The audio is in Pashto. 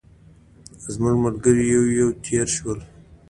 زموږ ملګري یو یو تېر شول.